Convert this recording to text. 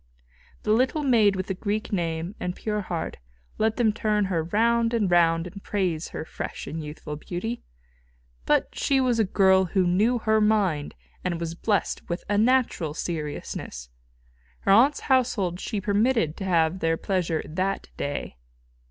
The little maid with the Greek name and pure heart, let them turn her round and round and praise her fresh and youthful beauty. But she was a girl who knew her mind, and was blessed with a natural seriousness. Her aunt's household she permitted to have their pleasure that day.